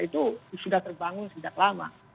itu sudah terbangun sejak lama